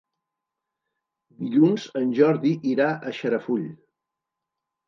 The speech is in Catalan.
Dilluns en Jordi irà a Xarafull.